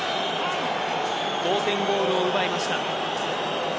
同点ゴールを奪いました。